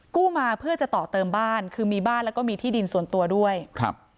กู้มาเพื่อจะต่อเติมบ้านคือมีบ้านแล้วก็มีที่ดินส่วนตัวด้วยครับ